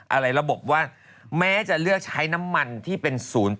อะไรระบบว่าแม้จะเลือกใช้น้ำมันที่เป็น๐๘